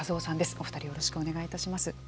お二人よろしくお願いいたします。